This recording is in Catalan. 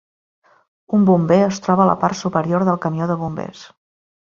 Un bomber es troba a la part superior del camió de bombers.